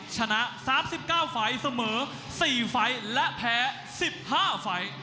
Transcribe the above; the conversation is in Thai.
ชนะ๓๙ฝ่ายสมมือ๔ฝ่ายและแพ้๑๕ฝ่าย